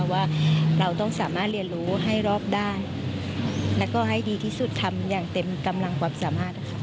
ว่าเราต้องสามารถเรียนรู้ให้รอบได้แล้วก็ให้ดีที่สุดทำอย่างเต็มกำลังความสามารถ